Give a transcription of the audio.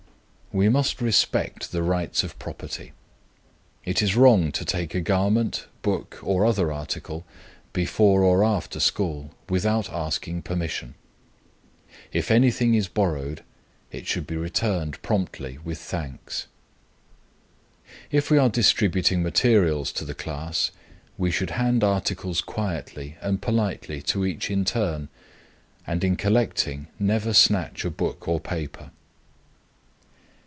We must respect the rights of property. It is wrong to take a garment, book, or other article before or after school without asking permission. If anything is borrowed, it should be returned promptly with thanks. If we are distributing materials to the class, we should hand articles quietly and politely to each in turn, and in collecting never snatch a book or paper.